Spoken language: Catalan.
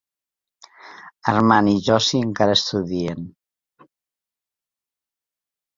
Armand i Josie encara estudien.